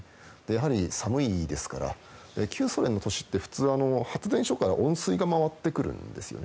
やはり寒いですから旧ソ連の都市って普通発電所から温水が回ってくるんですよ。